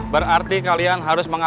berarti kalian harus mengambil